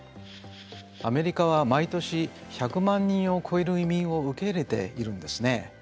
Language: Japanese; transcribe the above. アメリカは毎年１００万人を超える移民を受け入れているんですね。